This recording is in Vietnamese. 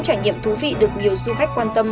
trải nghiệm thú vị được nhiều du khách quan